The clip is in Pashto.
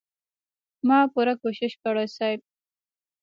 ما پوره کوشش کړی صيب.